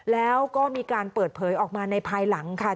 แล้วก็มีการเปิดเผยออกมาในภายหลังค่ะ